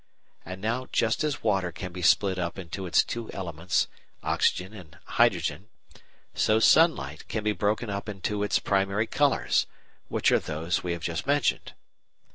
_ And now just as water can be split up into its two elements, oxygen and hydrogen, so sunlight can be broken up into its primary colours, which are those we have just mentioned.